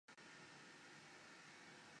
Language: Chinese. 汤普森也曾代表过加拿大参与国际赛事。